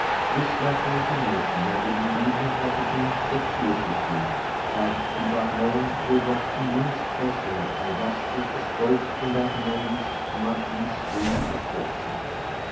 This latter information I would indeed have offered him gratuitously had he but known with what immense pleasure I thus put a spoke in that knavish Marquis's wheel of fortune.